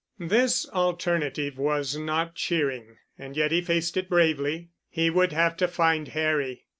This alternative was not cheering and yet he faced it bravely. He would have to find Harry.